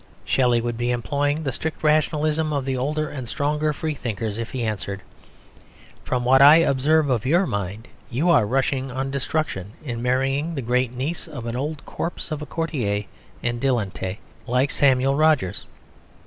Shelley would be employing the strict rationalism of the older and stronger free thinkers, if he answered, "From what I observe of your mind, you are rushing on destruction in marrying the great niece of an old corpse of a courtier and dilettante like Samuel Rogers."